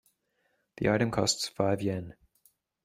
The item costs five Yen.